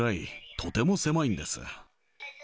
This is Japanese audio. とても狭いんです。